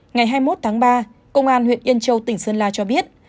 ngày hai mươi một tháng ba công an huyện yên châu tỉnh sơn la cho biết